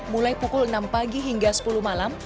mulai pukul enam pagi hingga sepuluh malam